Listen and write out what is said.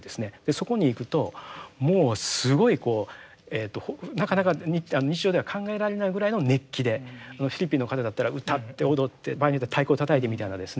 そこに行くともうすごいなかなか日常では考えられないぐらいの熱気でフィリピンの方だったら歌って踊って場合によっては太鼓をたたいてみたいなですね